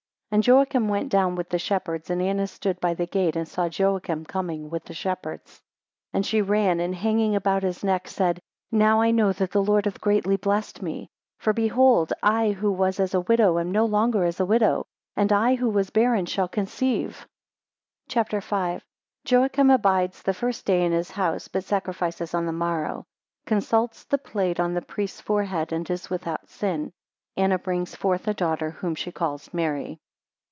8 And Joachim went down with the shepherds, and Anna stood by the gate and saw Joachim coming with the shepherds. 9 And she ran, and hanging about his neck, said, Now I know that the Lord hath greatly blessed me: 10 For behold, I who was as a widow am no longer as a widow, and I who was barren shall conceive. CHAPTER V. 1 Joachim abides the first day in his house but sacrifices on the morrow. 2 Consults the plate on the priests forehead, 3 and is without sin. 6 Anna brings forth a daughter, 9 whom she calls Mary.